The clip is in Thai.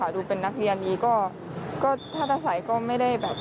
ดูเป็นนักเรียนนี้ถ้าจะใส่ก็ไม่ได้เดี๋ยวร้อนอะไร